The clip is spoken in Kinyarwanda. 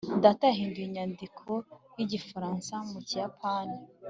data yahinduye inyandiko y'igifaransa mu kiyapani